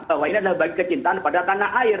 bahwa ini adalah bagian kecintaan pada tanah air